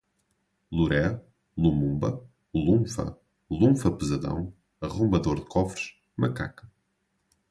loré, lumumba, lunfa, lunfa pesadão, arrombador de cofres, macaca